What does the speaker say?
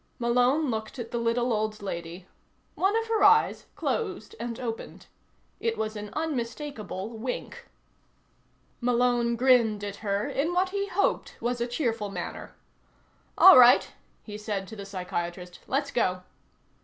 Malone looked at the little old lady. One of her eyes closed and opened. It was an unmistakable wink. Malone grinned at her in what he hoped was a cheerful manner. "All right," he said to the psychiatrist, "let's go."